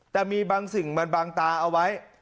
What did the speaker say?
แต่มีบางสิ่งบางตาเอาไว้